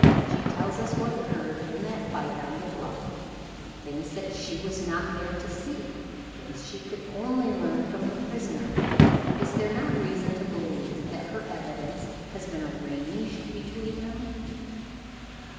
She tells us what occurred in that fight on the bluff things that she was not there to see, things she could only learn from the prisoner: is there not reason to believe that her evidence has been arranged between them?"